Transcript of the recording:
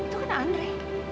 tuh kan andre